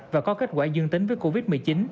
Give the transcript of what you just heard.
và có kết quả dương tính với covid một mươi chín